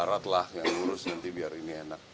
jawa barat lah yang diurus nanti biar ini enak